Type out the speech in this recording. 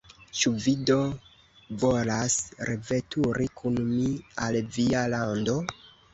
Ĉu vi do volas reveturi kun mi al via lando?